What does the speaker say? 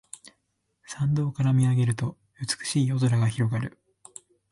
山道から見上げると美しい夜空が広がる